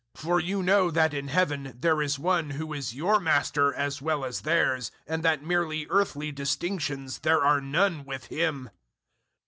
For you know that in Heaven there is One who is your Master as well as theirs, and that merely earthly distinctions there are none with Him.